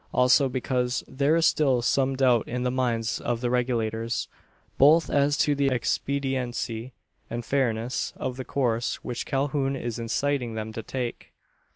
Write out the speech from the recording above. Also, because there is still some doubt in the minds of the Regulators, both as to the expediency, and fairness, of the course which Calhoun is inciting them to take.